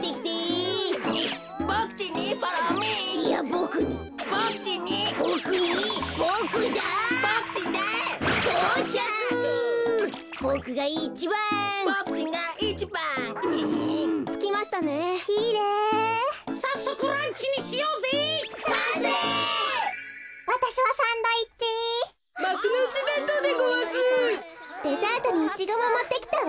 デザートにイチゴももってきたわ。